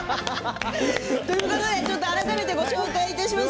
改めてご紹介します。